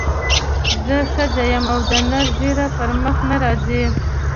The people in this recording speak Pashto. زه ښځه یم او د نر ږیره پر مخ نه راځي.